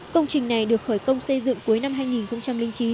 công trình này được khởi công xây dựng cuối năm hai nghìn chín